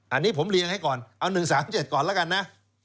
อันนี้ผมเรียงให้ก่อนเอา๑๓๗ก่อนแล้วกันนะ